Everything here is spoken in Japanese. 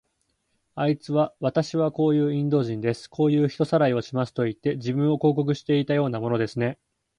あいつは、わたしはこういうインド人です。こういう人さらいをしますといって、自分を広告していたようなものですね。